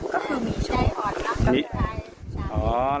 ก็คือมีโชค